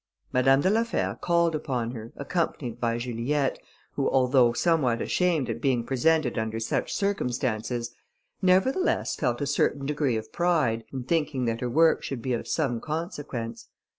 Madame de la Fère called upon her, accompanied by Juliette, who although somewhat ashamed at being presented under such circumstances, nevertheless felt a certain degree of pride, in thinking that her work should be of some consequence.